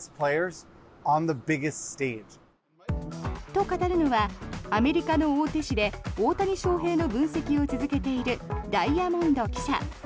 と、語るのはアメリカの大手紙で大谷翔平の分析を続けているダイアモンド記者。